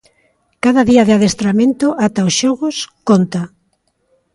Cada día de adestramento ata os Xogos, conta.